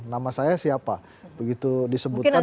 nama saya siapa begitu disebutkan